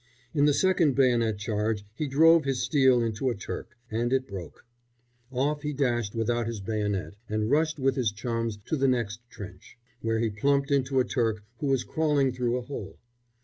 In the second bayonet charge he drove his steel into a Turk and it broke. Off he dashed without his bayonet, and rushed with his chums to the next trench, where he plumped into a Turk who was crawling through a hole.